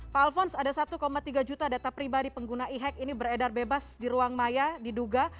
pak alphonse ada satu tiga juta data pribadi pengguna e hack ini beredar bebas di ruang maya diduga